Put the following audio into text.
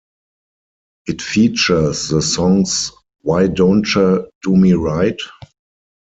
It features the songs Why Dontcha Do Me Right?